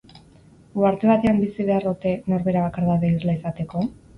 Uharte batean bizi behar ote, norbera bakardade irla izateko?